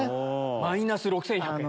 マイナス６１００円。